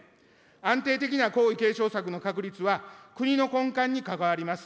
安定的な皇位継承策の確立は、国の根幹に関わります。